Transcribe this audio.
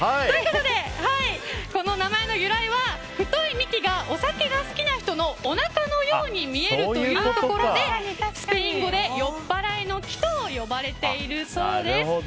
ということで、この名前の由来は太い幹がお酒が好きな人のおなかのように見えるというところでスペイン語で酔っ払いの木と呼ばれているそうです。